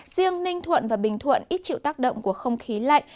riêng ninh thuận và bình thuận ít chịu tác động của không khí lạnh